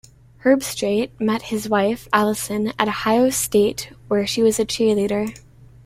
Herbstreit met his wife, Allison, at Ohio State, where she was a cheerleader.